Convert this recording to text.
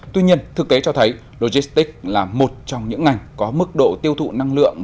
tuy nhiên thực tế cho thấy logistics là một trong những ngành có mức độ tiêu thụ năng lượng